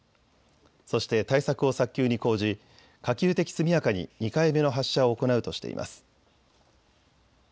そして対策を早急に講じ可及的速やかに２回目の発射を行うとしています。